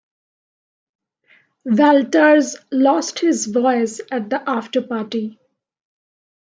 Valters lost his voice at the after-party.